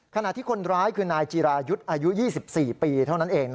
ขณะที่คนร้ายคือนายจีรายุทธ์อายุ๒๔ปีเท่านั้นเอง